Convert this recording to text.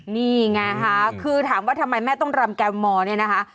นี่ไงค่ะคือถามว่าทำไมแม่ต้องรำแกมมอร์เนี่ยนะคะ